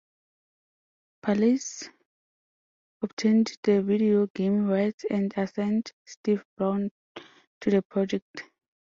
Palace obtained the video game rights and assigned Steve Brown to the project.